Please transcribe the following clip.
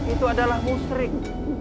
itu adalah musrik